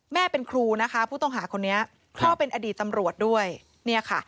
แม่เป็นครูนะคะผู้ต้องหาคนนี้พ่อเป็นอดีตตำรวจด้วยเนี่ยค่ะ